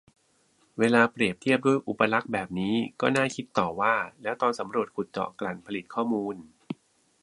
เวลาเปรียบเทียบด้วยอุปลักษณ์แบบนี้ ก็น่าคิดต่อว่า แล้วตอนสำรวจ ขุดเจาะ กลั่น ผลิตข้อมูล